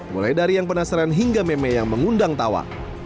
mulai dari yang penasaran hingga meme yang mengundang tawa